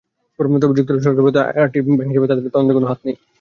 তবে যুক্তরাজ্য সরকার বলেছে, আরটির ব্যাংক হিসাব বন্ধে তাদের কোনো হাত নেই।